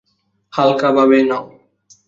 হাল্কা ভাবে নাও।